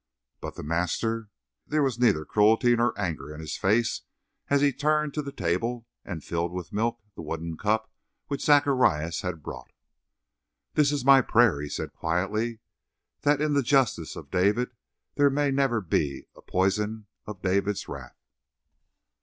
But the master? There was neither cruelty nor anger in his face as he turned to the table and filled with milk the wooden cup which Zacharias had brought. "This is my prayer," he said quietly, "that in the justice of David there may never be the poison of David's wrath."